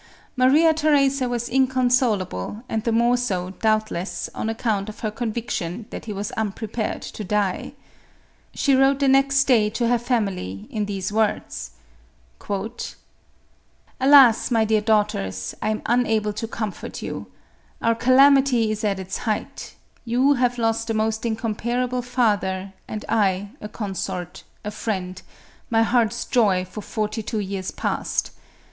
Maria Theresa was inconsolable, and the more so, doubtless, on account of her conviction that he was unprepared to die. She wrote the next day, to her family, in these words :" Alas, my dear daughters, I am unable to comfort you ! Our calamity is at its height; you have lost a most incomparable father, and I a consort — a friend — my heart's joy for forty two years past!